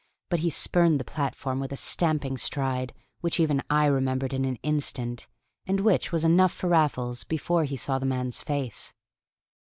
But he spurned the platform with a stamping stride which even I remembered in an instant, and which was enough for Raffles before he saw the man's face.